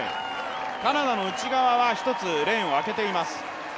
カナダの内側は１つレーンを開けています。